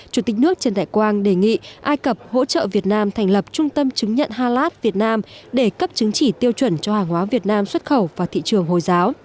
chủ tịch nước trần đại quang đề nghị ai cập hỗ trợ việt nam thành lập trung tâm chứng nhận halat việt nam để cấp chứng chỉ tiêu chuẩn cho hàng hóa việt nam xuất khẩu vào thị trường hồi giáo